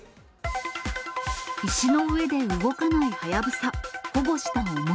石の上で動かないハヤブサ。